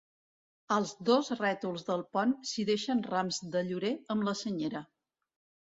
Als dos rètols del pont s'hi deixen rams de llorer amb la senyera.